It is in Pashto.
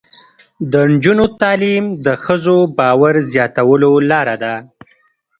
د نجونو تعلیم د ښځو باور زیاتولو لاره ده.